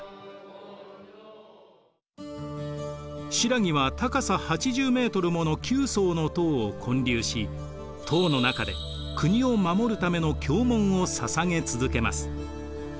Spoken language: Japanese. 新羅は高さ８０ｍもの９層の塔を建立し塔の中で国を護るための経文をささげ続けます。